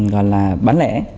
gọi là bán lẻ